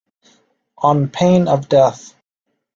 On pain of death.